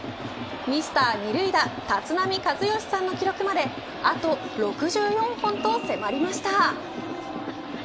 ミスター２塁打立浪和義さんの記録まであと６４本と迫りました。